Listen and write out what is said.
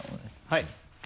はい。